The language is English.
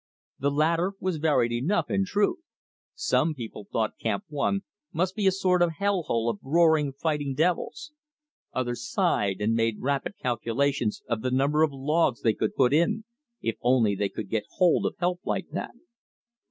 The latter was varied enough, in truth. Some people thought Camp One must be a sort of hell hole of roaring, fighting devils. Others sighed and made rapid calculations of the number of logs they could put in, if only they could get hold of help like that.